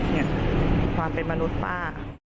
เนี่ยความเป็นมนุษย์ป้า